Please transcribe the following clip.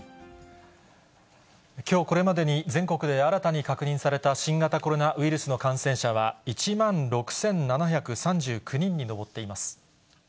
きょうこれまでに全国で新たに確認された新型コロナウイルスの感染者は１万６７３９人に上っています。